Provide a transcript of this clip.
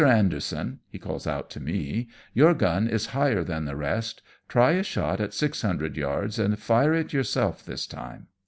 Anderson," he calls out to me, " your gun is higher than the rest, try a shot at six hundred yards and fire it yourself this time."